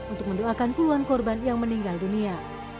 untuk mendoakan puluhan korban yang meninggal dunia